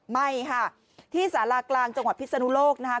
ไม่ค่ะที่สารากลางจังหวัดพิศนุโลกนะคะ